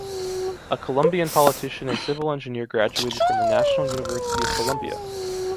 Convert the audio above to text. A Colombian politician and civil engineer graduated from the National University of Colombia.